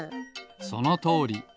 そのとおり。